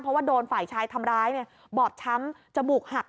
เพราะว่าโดนฝ่ายชายทำร้ายบอบช้ำจมูกหัก